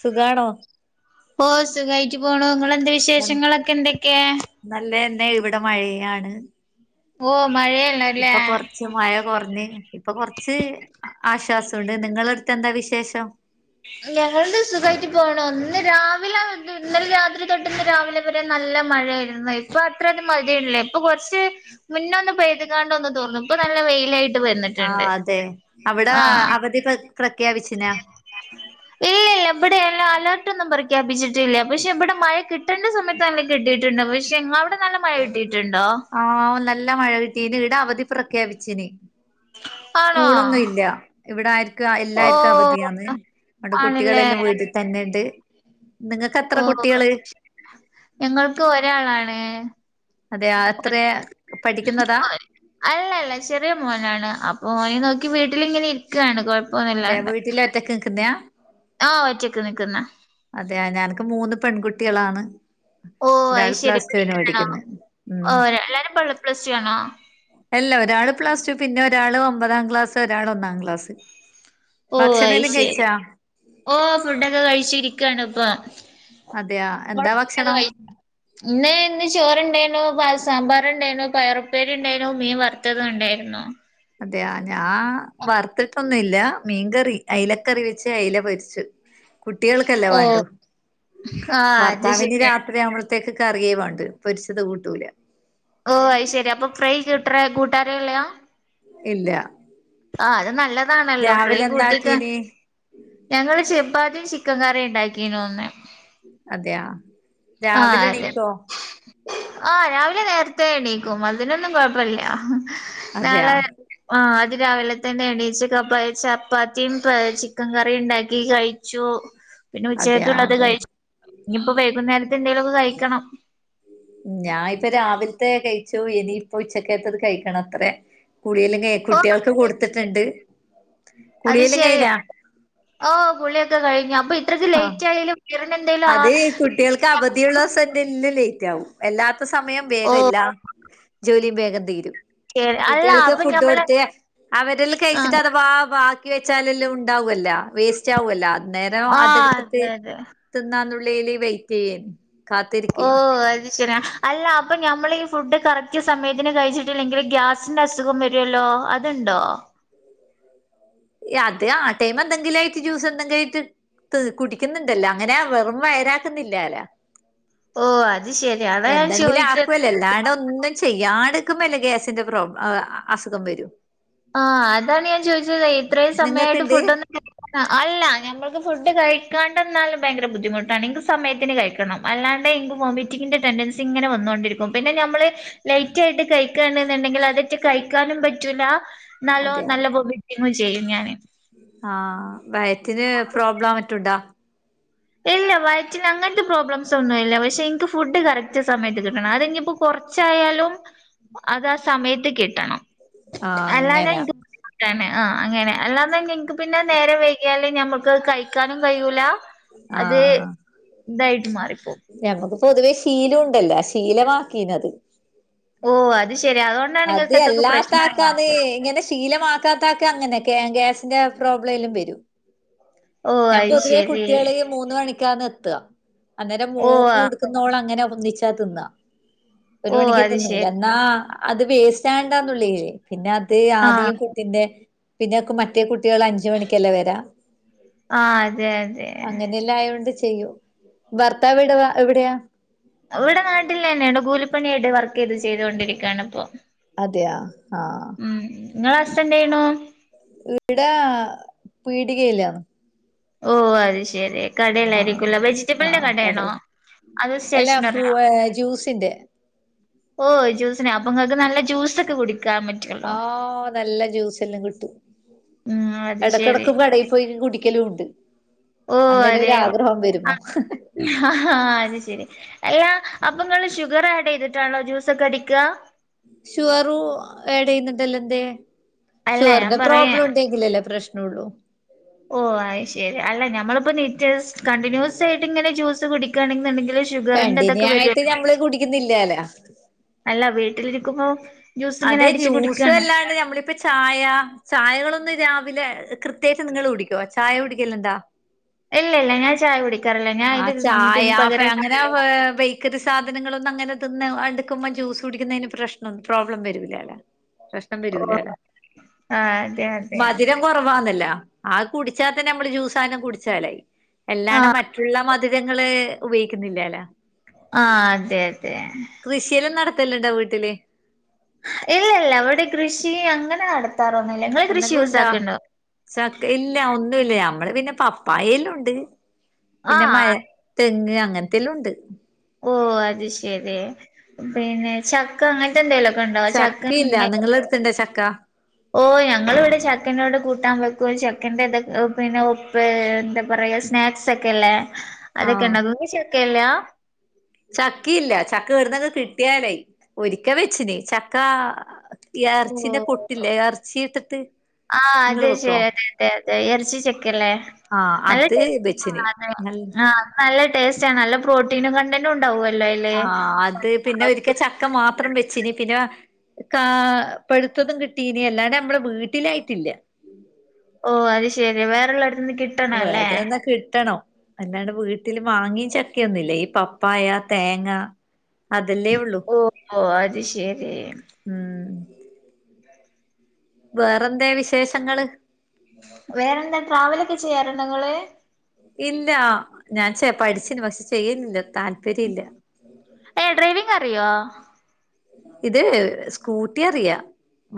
സുഖാണോ ഓ സുഖമായിട്ടു പോണു നിങ്ങളെന്ത വിശേഷങ്ങളൊക്കെ എന്തൊക്കെയാ? പി ഇവിടെ മഴയാണ്... ഓ മഴയല്ലല്ല ഇപ്പൊ കൊറച്ച് മഴ ഇപ്പൊ കൊറച്ച് ആശ്വാസംുണ്ട് നിങ്ങള അടുത്ത് എന്താ വിശേഷം ഞങ്ങളുടെ സുഖമായിട്ട് പോകണ ഒന്ന് രാവിലെ ഇന്നലെ രാത്രി തൊട്ടന്ന് രാവിലെ വരെ നല്ല നല്ല മഴ ഇപ്പഅത്ര മഴയില കുറച്ച് മുന്ന പെയ്താണ്ട തോന്ന നല്ല വെയിലായിട്ട് ആ വന്നിട്ടുണ്ട് അതെ അവിടെ ആഹ് അവധി പ്ര പ്രഖ്യാപിച്ചനാ ഇല്ല ഇല്ല ഇവിടെ അലർട്ടൊന്നും പ്രഖ്യാപിച്ചിട്ടില്ല പക്ഷെ ഇവിടെ മഴ കിട്ടേണ്ട സമയത്ത്ല്ല കിട്ടിട്ടുണ്ട് പക്ഷെ അവിടെല്ല ട്ട് ആഹ നല്ല മഴ കിട്ടിയന് ഇട അവധി പ്രഖ്യാപിച്ചിന് ആണോ സ്കൂളൊന്നും ഇല്ല ഇവിടായിരിക്കും ഓ എല്ലാക്കും അവധിയന്ന് നമ്മടെ ആണല്ലേ കുട്ടികളെല്ലാം വീട്ടിൽ തന്നെുണ്ട് ഓ ഞങ്ങക്ക് ഒരാളാണ് അതെ അത്രേ അല്ല അല്ല ചെറിയ മോനാണ് അപ്പൊ ഓനെ നോക്കി ട്ട് വീട്ടിലിങ്ങനെ ഇരിക്കണ് കൊഴ അതെ വീട്ടിലൊറ്റക്ക് നിക്കുന്ന ആ ഒറ്റക്ക് നിക്കുന്ന അതെയ ഞനക്ക് മൂന്ന് പെൺകുട്ടികളാണ് ഓ അത് ഒരാൾ ശരി പ്ലസ് ടു വിന് പഠിക്കാണോ പടിക്കുന്ന് ഓ ഉം എല്ലാരും പ്ലസ് ടു ആണോ അല്ല ഒരാള് പ്ലാസ് ടു പിന്നെ ഒരാള് ഒമ്പതാം ക്ലാസ് ഒരാൾ ഒന്നാം ക്ലാസ് ഓ ഭക്ഷണം ഐ എല്ലാം ശയെ കഴിച്ചാ ഓ ഫുഡൊക്കെ കഴിച്ച ഇരിക്കാണ് ഇപ്പൊ അതെയാ എന്താ ഭക്ഷണം [unintelligible] ഇന്ന ഇന്ന് ചോറണ്ട നോ പൽ സാമ്പാർണ്ടായിനോ പയറപ്പേരി ഉണ്ടായിനോ മീൻ വറുത്തത്ണ്ടായിരുന്നുോ അതെയ ഞാൻ വറത്തിട്ട് ന്നല്ല മീൻകറി അയലക്കറി വെച്ച് അയല പൊരിച്ചു കുട്ടികൾക്കല്ലേ ഓ വേണ്ടു ആ അത് ഭർത്താവിന് ശരി രാത്രി നമ്മൾ കുട്ട്യാക്ക് കറിയേ വേണ്ട് പൊരിച്ചത് കൂട്ടൂല ഓ അ ശെരി അപ്പൊ ഫ്രൈ കിട്ടറ കൂട്ടാര ല്ലെയ ഇല്ല ആ അത് നല്ലതാണല്ലോ ഫ്രൈ രാവിലെ കൂട്ടിക്ക എന്താക്കീന് ഞങ്ങള് ചെപ്പാത്തി യും ചിക്കൻ കറിയും ഉണ്ടാക്കീനു ഒന്നേ അതെയ രാവിലെ എണീക്കോ? ആ രാവിലെ നേരത്തെ എണീക്കും അതിനൊന്നും കൊഴപ്പല്ല അതെയാ നളെ ആ അ രാവിലെ തന്നെ എണീച്ച കപ്പ ചപ്പാത്തിയും ചിക്കൻ കറിയും ഉണ്ടാക്കി കഴിച്ചു പിന്നെ അതെയാ ഉച്ചക്കള്ളത് അതെ കഴിച്ച ഇനിയിപ്പോ വൈകുന്നേരത്തെ എന്തെങ്കിലൊക്കെ കഴിക്കണം ഞാനിപ്പ രാവിലത്തെ കഴിച്ചു ഇനി ഇപ്പൊ ഉച്ചക്കത്തത് കഴിക്കണ അത്രേ കുടിയെ [unintelligible] ഓ കുട്ടികൾക്ക് കൊടുത്തിട്ടുണ്ട് അത് കുളിയെല്ലാം ശരി കഴിഞ്ഞാ ഓ കുളിയൊക്കെ കഴിഞ്ഞു അപ്പൊ ഇത്രക്ക് ആഹ് ലേറ്റ് ആയാലും എന്തേലും ആ അത് കുട്ടികൾക്ക് അവധിയുള്ള ദിസം ന്റെ ല്ലാം ലേറ്റ് ആകും എല്ലാ ഇപ്പൊ സമയം ഓ വേഗം ഇല്ല ജോലിയും വേഗം തീരും ശരി അല്ല കുട്ടികൾക്ക് അപ്പൊ ഫുഡ് ഞമ്മള് കൊടുത്ത് അവരെല് കഴിച്ചിട്ട് ആഹ് അത വാ ബാ ക്ക വെച്ചാലെല്ലാം ഉണ്ടാവൊല്ലോ വേസ്റ്റ് ആവോല്ലോ അന്നരം ആഹ് അതെടുത്തിട്ട് അതെ അതെ നന്നുള്ളയില് വെയിറ്റ് ചെയ്യേൻ ഓ കാത്തിരിക്കേന് [unintelligible] അല്ല അപ്പ നമ്മളീ ഫുഡ് കറക്റ്റ് സമയത്തിന് കഴിച്ചിട്ടില്ലെങ്കിൽ ഗ്യാസിന്റെ അസുഖം വരുല്ലോ ഓ അതുണ്ടോ അത് ആ ടൈം എന്തെങ്കിലും ആയിട്ട് ജ്യൂസ് എന്തെങ്കിലും ആയിട്ട് കുടിക്കുന്നുണ്ടല്ലോ അങ്ങനെ വെറും വയരാക്കുന്നില്ലലോ ഓ അത് ശരി അതാ ഞാൻ എന്തെങ്കിലും ചോദിച്ചത് ആക്കല്ലോ എല്ലാട ഒന്നും ചെയ്യാൻ എടുക്കുമല്ലേ ഗ്യാസിന്റെ പ്രോബ് അസുഖം വരും ആ അതാണ് ഞാൻ ചോദിച്ചത് ഇത്രയും സമയായിട്ട് നിങ്ങക്ക്ണ്ട് ഫുഡ് ഒന്നും ക അല്ല ഞമ്മക്ക് ഫു്ഡ് കഴിക്കാണ്ടന്നാലും ഭയങ്കര ബുദ്ധിമുട്ടാണ് ക്ക് സമയത്തിന് കഴിക്കണം അല്ലാണ്ടെ ഇൻക്ക് വൊമെറ്റിംഗിന്റെ ടെൻടെൻ സി ഇങ്ങനെവന്നോണ്ടിരിക്കും പിന്നെ നമ്മള് ലൈറ്റ് ആയിട്ട് കഴിക്കണ എന്നുണ്ടെങ്കിൽ അതൊട്ട് കഴിക്കാനും പറ്റൂല എന്നാലോ അതെയോ നല്ല വോമിറ്റിങ്ങും ചെയ്യും ഞാന് ആ വയറ്റില് പ്രോബ്ലം മറ്റുണ്ടാ? ഏ വയറ്റിന് അങ്ങനത്തെ പ്രോബ്ലംസ് ഒന്നും ഇല്ല പക്ഷെ ഇൻക്ക് ഫുഡ് കറക്റ്റ് സമയത്ത് കിട്ടണം അത് ഇനിപ്പോ കുറച്ചായാല അത് സമയത്ത് കിട്ടണം ആഹ് അല്ലാ അങ്ങനെ [inaudible] ആ അങ്ങനെ അല്ലാത നിങ്ങക്ക് പിന്നെ നേരെ വൈകിയല് ഞമ്മക്ക് കഴിക്കാനും കഴൂല ആഹ് അതെതായിട്ട് മാറും ഞമ്മക്ക് പൊതുവേ ശീലം ഉണ്ടല്ലോ ശീലമാക്കീനത് ഓ അത് ശെരി അതൊണ്ട് അത് അല്ലാത്താക്ക അത് ഇങ്ങനെ ശീലമാക്കാത്താക്കാ അങ്ങനെ തെക്കെ ഗ്യാസിന്റെ പ്രോബ്ലം എല്ലും വരും ഓ ഞാൻ അത് പൊതുവേ ശരി കുട്ടികള് ഇ മൂന്ന് മണിക്കാന്ന് എത്ത ത അന്നേരം ഓ മോക്ക് ആ കൊടുക്കുന്നവോള അങ്ങനെ ഒന്നിച്ചാ തിന്ന ഒരു ഓ മണിക്ക് അത് എത്തന്നല ശരി എന്നാ അത് വേസ്റ്റ്ണ്ടന്നുള്ളീേ പിന്നെ അത് ആ ആദ്യം കുട്ടിന്റെ പിന്നെ മറ്റേ കുട്ടികൾ അഞ്ച മണിക്കല്ലേ വരാം ആ അതെ അതെ ചെയ്യോ ഇവിടെ നാട്ടിലന്നെയണ് വിടെ കൂ ലിപ്പണി ആയിട്ട് വർ, ഇത് ചെയ്തൊണ്ടിരിക്കയാണ് ഇപ്പൊ അതെയാ ആഹ് ഉം നിങ്ങള ഹസ്സ് ന്തചെയ്യണു ഇവിടാ പീടികയിലാണ് ഓ അത് ശെരി ആഹ് കടല്ലായിരിക്കുംല വെജിറ്റബിളിന്റെ ആഹ് കടയാണോ കടയില് അത് എല്ലാ സ്റ്റേഷനറി ഫ്രൂ ജ്യൂസിന്റെ ഓ ജൂസിനെ അപ്പങ്ങൾക്ക് അത് നല്ല ജ്യൂസ ഒക്കെ കുടിക്കും ആ നല്ല ജ്യൂസ്ല്ലാം കിട്ടും ഉം അത് ശരി ഇടക്കിടക്ക് കടയിൽ പോയി കുടിക്ക ഒരിക്കലും ഉണ്ട് ഓ അങ്ങനെ ഒരു അതെ ആഗ്രഹം വരുമോ അത ശരി അല്ല അപ്പൊ നിങ്ങൾ ഷുഗർ ആഡ് ചെയ്തിട്ടാണോ ജ്യൂസ ഒക്കെ അടിക്കുക ഷുറു ടെ ചെയ്യുന്നുണ്ടല്ല എന്തേ അല്ല ഞാൻ ഷുഗറിന്റെ പറയാ പ്രോബ്ലം ഉണ്ടെങ്കിലല്ലേ പ്രശ്നമ ഉള്ളൂ ഓ അ ശരി അല്ല ഞമ്മളിപ്പോ നറ്റ് കണ്ടിന്യൂസ് ആയിട്ട് ഇങ്ങനെ ജ്യൂസ് കുടിക്കുകയാണെുണ്ടെങ്ക കണ്ടന് ആായിട്ട് നഞമ്മള് കുടിക്കുന്നില്ലാലോ അല്ല വീട്ടിലിരിക്കുമ്പോ ജ്യൂസ് ഇങ്ങനെ അതെ അടിച്ച് ജ്യൂസ് കുടിക്കാണ് എല്ലാണ്ട് നമ്മളിപ്പ ചായ ചായ ങ്ങൾ കൊന്ന് രാവിലെ കൃത്യമായിട്ട് നിങ്ങള്ൾ കുടിക്കോ ചായ കുടിക്കല്ല എന്താ ഇല്ല ഇല്ല ഞാൻ ചായ കുടി ആ ചായഫ അങ്ങനെ ബേക്കറി സാധനങ്ങളൊന്ന അങ്ങനെ തിന്ന് അടുക്കുമ്പോം ജ്യൂസ് കുടിക്കുന്നതിന് പ്രശ്നം പ്രോബ്ലം വരൂല്ലല്ലെ പ്രഷ്നം ഓ വരൂലല്ല ആഹ് അതെ അതെ മധുരം കൊറവാന്നല്ലേ ആ കുടിച്ചാൽ തന്നെ നമ്മള് ജ്യൂസാനം കുടിച്ചാലായി എല്ലാണ്ട് ആഹ് മറ്റ വള്ള മധുരങ്ങള് ഉപയോഗിക്കുന്നില്ല അല്ല ആ അതെ അതെ ല്ലണ്ടോ വീട്ടില് ഇല്ല ഇല്ല അവിടെ കൃഷി അങ്ങനെ നട നടത്താറൊന്നുമില്ല നിങ്ങൾ കൃഷി എന്തെങ്കും യൂസ് ആക്കണ്ടോ ഞമ്മള് പിന്നെ പപ്പായ എല്ലാണ്ട് പിന്നെ മഴ ആഹ് തെങ് അങ്ങനത്തെല്ലാം ഉണ്ട് ഓ അത് ശെരി പിന്നെ ചക്കങ്ങ ചക്ക എന്തെലുംക്കെ ഉണ്ടാവോ ചക്ക ചക്കയില്ല ഇങ്ങ നിങ്ങള എടുത്തണ്ടോ ചക്ക ഓ ഞങ്ങൾ ഇവിടെ ചക്കനോട് കൂട്ടാൻ വെക്കും ചക്കൻന്റെ ഇതൊക്കെ പിന്നെ ഉപ്പ് എന്താ പറയാ സ്നാക്സ് ഒക്കെല്ലേ ആഹ് അതൊക്കെണ്ട ഇങ്ങ് ചേർക്കെല്ല ചക്കയില്ല ചക്ക കേടുന്ന കിട്ടിയാലേ ഒരിക്ക വെച്ചന് ചക്കാ ഓ ഇറച്ചീന്റെ കൊട്ടില്ലേ ഇറച്ചി ഇട്ടിട്ട് ആ അത നിങ്ങള് വെക്കോ ശരി അതെ അതെ അതെ ഇറച്ചി ചെക്കല്ലേ ആഹ് നല്ല അത് ടേസ്റ്റ് വെച്ചിന് അത നല്ല ആ നല്ല ടേസ്റ്റ് നല്ല പ്രോട്ടീനും കണ്ടന്റും ഉണ്ടാവുവല്ലോ അയില്. ആ അത് പിന്നെ ഒരിക്കൽ ചക്ക മാത്രം വെച്ചിന് പിന്നെ കാ പെഴുത്തതും കിട്ടീന അല്ലാണ്ട് നമ്മുടെ വീട്ടിലായിട്ടില്ല ഓ അത് ശരി വറെ എള്ളായിടത്ത വേട്ടന്നാ കിട്ടണോ അല്ലാണ്ട് വീട്ടില് വാങ്ങിയ ചക്കൊന്നുംല്ല ഈ പപ്പായ തേങ്ങ അതല്ലേ ഉള്ളൂ ഓഹ് ഓഹ് അത് ശെരി. ഉം വേറ എന്താ വിശേഷങ്ങള് വേറെന്താ ട്രാവലൊക്കെ ചെയ്യാറുണ്ടോ ഇങ്ങള് ഇല്ല ഞാൻ ചെ പഠിച്ചിന് പക്ഷെ ചെയ്യുന്നില്ലാ താല്പര്യ ഇല്ല ഏഹ് ഡ്രൈവിംഗ് അറിയോ? ഇത് സ്കൂട്ടി അറിയാ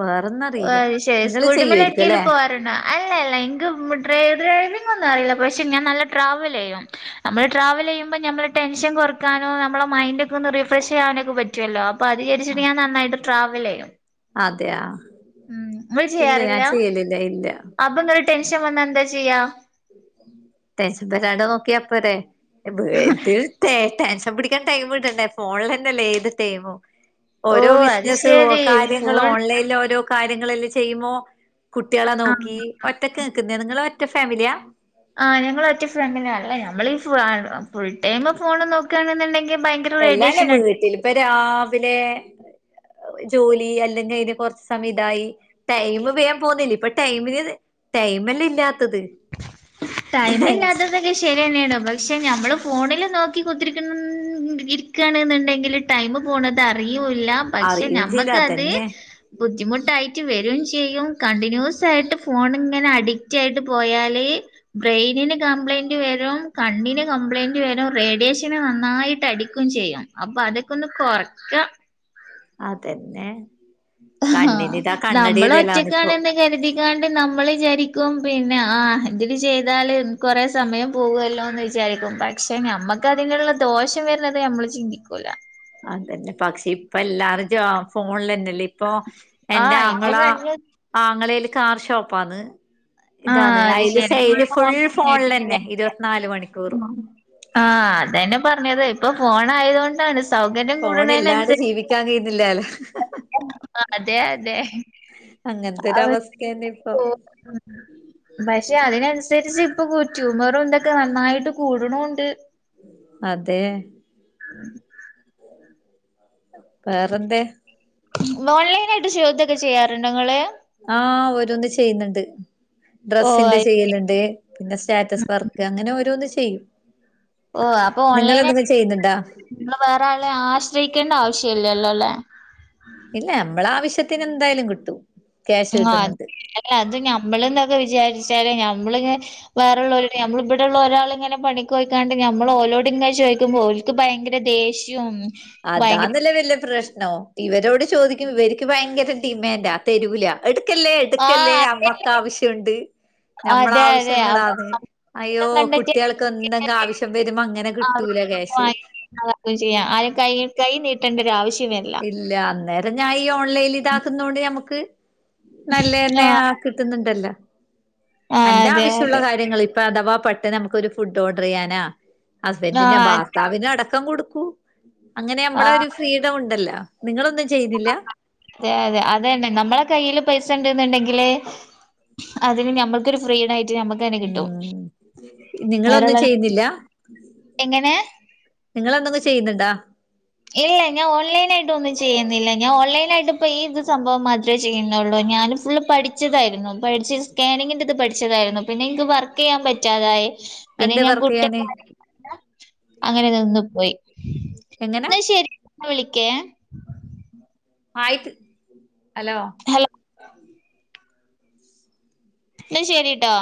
വേറൊന്നും അറിയില്ല ശരി നിങ്ങള് സ്കൂട്ടി മേല ചെയ്യുവായിരിക്കും എടക്കും അല്ലെ പോവാറുണ്ടോ അല്ല അല്ല എങ്ക ഡ്രൈവർ [unintelligible] അല്ല പക്ഷെ ഞാൻ നല്ല ട്രാവൽ ചെയ്യും നമ്മള് ട്രാവൽ ചെയ്യുമ്പോ ഞമ്മൾ ടെൻഷൻ കൊറക്കാനോ ന [unintelligible] മൈന്റെക്കെ ഒന്ന് റീഫ്രഷ് ചെയ്യാനൊക്കെ പറ്റുവല്ലോ അപ്പൊ അത് വിചാരിച്ചിട്ട് ഞാൻ നന്നായിട്ട് ട്രാവൽ ചെയ്യും അതെ ആ ഉം ഇങ്ങൾ ചെയ്യാറില്ല ഇല്ല അപ്പൊന്നൊരു ടെൻഷൻ വന്ന എന്താ ചെയ്യാ ടെൻഷൻ തരാണ്ട് നോക്കിയാ പോരെ [unintelligible] ടെൻഷൻ പിടിക്കാൻ ടൈം കിട്ടണ്ടേ ഫോണിലഞ്ഞല്ലേ ഏത് ടൈമും ഓ ഓരോ അത് ബിസിനസ്സ് ഓ ശരി കാര്യങ്ങൾ ഫോൺ ഓൺലൈനിൽ ഓരോ കാര്യങ്ങളെല്ലാം ചെയ്യുമ്പോ കുട്ടികളെ ആഹ് നോക്കി ഒറ്റക്ക് നിക്കുന്നത്. നിങ്ങള് ഒറ്റ ഫാമിലിയാ ആ ഞങ്ങള് ഒറ്റ ഫാമിലിയാണ്. അല്ല നമ്മളീ ഫു ഫുൾ ടൈം ഫോൺ നോക്കണെന്നുണ്ടെങ്കിൽ എല്ലാല്ലേ വീട്ടിൽ ഇപ്പൊ രാവിലെ ജോലി അല്ലെങ്കിൽ അതിന് കൊറച്ചു സമയം ഇതായി ടൈം വേഗം പോന്നില്ലേ ഇപ്പൊ ടൈമിന് ടൈംമന്നേ ഇല്ല ടൈംമില്ലാത്തതൊക്കെ ശെ [unintelligible] പക്ഷെ നമ്മള് ഫോണില് നോക്കി കുത്തിരി ഇരിക്കാണ് എന്നുണ്ടെങ്കില് ടൈമ് പോ [unintelligible] അറിയൂല്ല പക്ഷെ അറിയും ചെയ്യില്ല നമ്മുക്കത് അതന്നെ ബുദ്ധിമുട്ടായി ട്ട് വരും ചെയ്യും കണ്ടിന്യൂസായിട്ട് ഫോൺ ഇങ്ങന അഡിക്റ്റായിട്ട് പോയാല് ബ്രെയിനിന് കംപ്ലയിന്റ് വരും കണ്ണിന് കംപ്ലയിന്റ് വരും റേഡിയേഷന് നന്നായിട്ട് അടിക്കും ചെയ്യും. അപ്പൊ അതൊക്കെ ഒന്ന് കൊറക്ക അതന്നെ ആഹ് കണ്ണിന് ഇതാ കണ്ണട നമ്മൾ ഇടലാണിപ്പോ ഒറ്റക്കാണെന്ന് കരുതിക്കാണ്ട് നമ്മൾ വിചാരി ക്കും പിന്നെ ആ ഇതിനു ചെയ്താല് കൊറെ സമയം പോകല്ലോന്ന് വിചാരിക്കും പക്ഷെ നം മ്മക് അതിനുള്ള ദോഷം വരുന്നത് നമ്മള് ചിന്തിക്കൂല അതന്നെ പക്ഷെ ഇപ്പ എല്ലാരും ജ ഫോണിൽ തന്നല്ലേ ഇപ്പൊ എന്റെ ആഹ് ഇപ്പൊ ആങ്ങള കണ്ണ് ആങ്ങളയില് കാർ ഷോപ്പാന്ന് ആഹ് ഇതാണ് അത് അതിൽ ശരി സെയിൽ ഫുൾ ഫോണിൽ തന്നെ ഇരുപത്തിനാല് മണി ആ ആഹ് അതന്നെ പറഞ്ഞത് ഇപ്പൊ ഫോൺ ആയതു കൊണ്ടാണ് സൗകര്യം കൂടുണെന് ഫോണില്ലാണ്ട് അനുസരിച്ചു ജീവിക്കാൻ കഴിയുന്നില്ലാലോ [unintelligible] ആ അതെ അതെ അങ്ങനത്തെൊരു അവസ്ഥ. അവസ്ഥയന്നെ ഇപ്പൊ പക്ഷെ അതിനനുസരിച്ച് ഇപ്പൊ ട്യൂമറും എന്തൊക്കെ നന്നായിട്ട് കൂടണുണ്ട് അതെ വേറെന്തെ ഓൺലൈനായിട്ട് [unintelligible] ചെയ്യാറുണ്ടൊ ങ്ങള് ആഹ് ഓരോന്ന് ചെയ്യുന്നുണ്ട് ഓ ഡ്രെസ്സിന്റെ ആയി ചെയ്യലുണ്ട് പിന്നെ സ്റ്റാറ്റസ് വർക്ക് അങ്ങനെ ഓരോന്ന് ചെയ്യും ഓ അപ്പൊ ഓൺലൈനായി നിങ്ങളെന്തെങ്കിലും ചെയ്യുന്നുണ്ടാ [unintelligible] വേറെ ആളെ ആശ്രയിക്കേണ്ട ആവശ്യ ഇല്ലല്ലോ ല്ലേ ഇല്ല നമ്മള ആവശ്യത്തിന് എന്തായാലും കിട്ടും ക്യാഷ് ആഹ് കിട്ടുന്നുണ്ട് അല്ല അത് ഞമ്മള് എന്നൊക്കെ വിചാരിച്ചാല് ഞമ്മള് [unintelligible] വേറ ഉള്ളവരുടെ നമ്മള ഇപ്പ [unintelligible] [unintelligible] ഒരാള് ഇങ്ങനെ പണിക്കൊയ്ക്കാണ്ട് നമ്മള് ഓലോട് ഇങ്ങനെ ചോദിക്കുമ്പോ ഓൽക്ക് ഭയങ്കര ദേഷ്യവും അതാന്നല്ലെ വല്യ പ്രശ് [unintelligible] ഇവരോട് ചോദിക്കും ഇവർക്ക് ഭയങ്കര ഡിമാൻഡാ തെരുല എടു [unintelligible] ആ എടുക്കല്ലേ അതെ അമ്മക്ക് ആവശ്യണ്ട് നമ്മള അതെ അതെ അപ്പൊ ആവശ്യങ്ങളാന്ന് അയ്യോ കണ്ടെത്തി കുട്ട്യോള്ക്ക് ന്തെങ്ക ആവശ്യം വരുമ അങ്ങനെ ആ കിട്ടൂൽ ചെയ്യ ആരേം കയ്യ് കയ് നീട്ടേണ്ടര ആവശ്യ ഇല്ല അന്നേരം ഞാ ഈ ഓൺലൈല് ഇതാക്കുന്നോണ്ട് നമ്മക്ക് നല്ലെന്നെ ആ കിട്ടുന്നുണ്ടല്ല ആ അന്റെ അതെ ആവശ്യള്ള അതെ കാര്യങ്ങള് [unintelligible] അഥവാ പെട്ടെന്ന് നമുക്കൊരു ഫുഡ് ഓർഡർ ചെയ്യാനാ ഹസ്ബൻറിന്റെ ആ [unintelligible] ഭാർത്താവിന്റെ. അവട ക്കം കൊടുക്കൂ അങ്ങനെ അമ്മളെ ആഹ് ഒരു ഫ്രീഡം ഉണ്ടല്ലോ. നിങ്ങളൊ അതെ അതെ അതന്നെ നമ്മളെ കയ്യില് പൈസണ്ട്ന്ന്ണ്ടെങ്കില് അതിന് ന മ്മക്കൊരു ഫ്രീഡായിട്ട് നമ്മക്കന്നെ കിട്ടും. നിങ്ങളൊന്നുംചെയ്യുന്നില്ല വേറെള്ള എങ്ങനെ നിങ്ങെളെന്തെന്ന് ചെയ്യുന്ന്ണ്ടാ ഏല്ല. ഞാൻ ഓൺലൈനായിട്ടൊന്ന് ചെയ്യ്ന്നില്ല. ഞാൻ ഓൺലൈനായിട്ട്പ്പ ഈ, ഇത് സംഭവം മാത്രേ ചെയ്യ്ന്നുള്ളൂ. ഞാൻ ഫുള്ള് പഠിച്ചതായിരുന്നു. പ പഠിച്ച് സ്കാനിങ്ങിൻ്റെ ഇത് പഠിച്ചതായിര്ന്നു. പിന്നെ ഇൻക്ക് വർക്കെയ്യാൻ പറ്റാതായി. പിന്നെ എന്തേ. ഞാൻ വർക്കെയ്യാഞ്ഞേ? കുട്ടികളായി അങ്ങനെ നിന്ന് പോയി. ന്നാ ശരി ങ്ങളെ വിളിക്കേ ആയിത്ത് അലോ ഹലോ ന്നാ ശരിട്ടോ